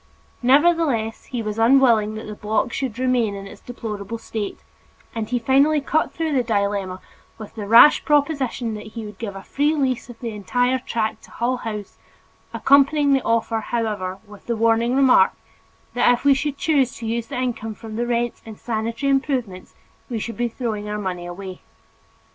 Nevertheless he was unwilling that the block should remain in its deplorable state, and he finally cut through the dilemma with the rash proposition that he would give a free lease of the entire tract to Hull House, accompanying the offer, however, with the warning remark, that if we should choose to use the income from the rents in sanitary improvements we should be throwing our money away.